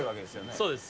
そうです。